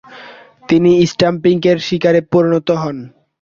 তিনি স্ট্যাম্পিংয়ের শিকারে পরিণত হন।